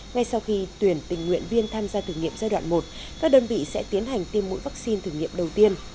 ngay sau khi tuyển tình nguyện viên tham gia thử nghiệm giai đoạn một các đơn vị sẽ tiến hành tiêm mũi vaccine thử nghiệm đầu tiên